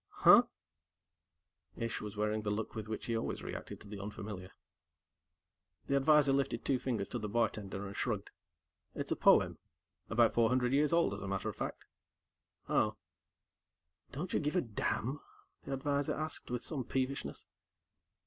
"Huh?" Ish was wearing the look with which he always reacted to the unfamiliar. The advisor lifted two fingers to the bartender and shrugged. "It's a poem; about four hundred years old, as a matter of fact." "Oh." "Don't you give a damn?" the advisor asked, with some peevishness.